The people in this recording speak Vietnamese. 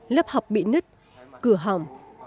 lớp học bị nứt cửa hỏng